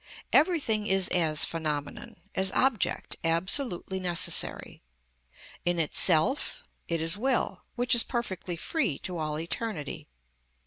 Everything is as phenomenon, as object, absolutely necessary: in itself it is will, which is perfectly free to all eternity.